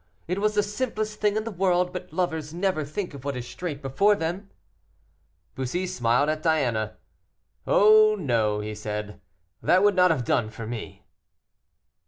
It was the simplest thing in the world, but lovers never think of what is straight before them." Bussy smiled at Diana. "Oh, no," he said, "that would not have done for me."